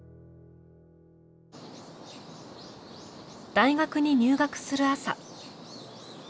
大学に入学する朝。